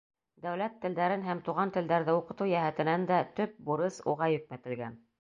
Дәүләт телдәрен һәм туған телдәрҙе уҡытыу йәһәтенән дә төп бурыс уға йөкмәтелгән.